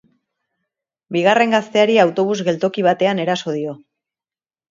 Bigarren gazteari autobus geltoki batean eraso dio.